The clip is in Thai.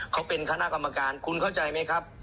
เขาเป็นคณะกรรมการคุณเข้าใจไหมครับ